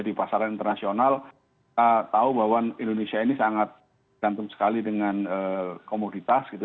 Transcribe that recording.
di pasaran internasional kita tahu bahwa indonesia ini sangat gantung sekali dengan komoditas gitu